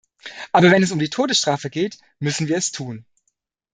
Aber wenn es um die Todesstrafe geht, müssen wir es tun.